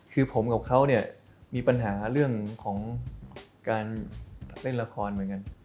คือผมกับเขาเนี่ยมีปัญหาเรื่องของการเล่นละครเหมือนกัน